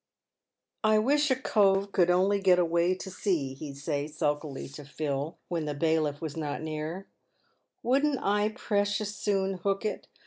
"I wish a cove could only get away to sea," he'd say, sulkily, to Phil, when the bailiff was not near, " wouldn't I precious soon hook it.